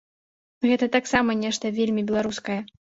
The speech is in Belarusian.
Гэта таксама нешта вельмі беларускае.